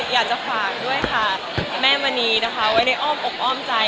อยากจะฝากด้วยแม่มณีได้แต่อ้อมใจ